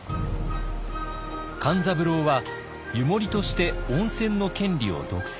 勘三郎は湯守として温泉の権利を独占。